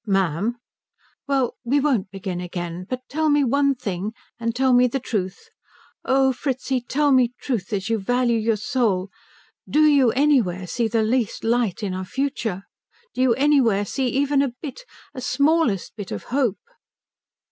"Ma'am " "Well, we won't begin again. But tell me one thing and tell me the truth oh Fritzi tell me the truth as you value your soul do you anywhere see the least light on our future? Do you anywhere see even a bit, a smallest bit of hope?"